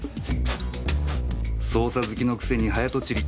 捜査好きのくせに早とちり